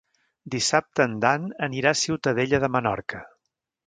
Dissabte en Dan anirà a Ciutadella de Menorca.